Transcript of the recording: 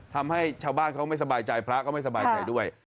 ทำให้ชาวบ้านเขาไม่สบายใจพระก็ไม่สบายใจด้วย